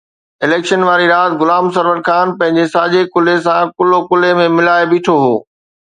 Election واري رات غلام سرور خان پنهنجي ساڄي ڪلهي سان ڪلهو ڪلهي ۾ ملائي بيٺو هو.